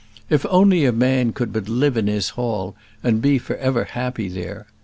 If only a man could but live in his hall and be for ever happy there!